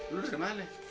lu udah kemana